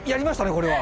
これは。